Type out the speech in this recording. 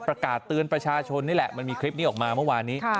ประกาศเตือนประชาชนนี่แหละมันมีคลิปนี้ออกมาเมื่อวานนี้